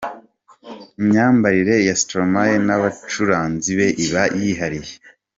Imyambarire ya Stromae n'abacuranzi be iba yihariye.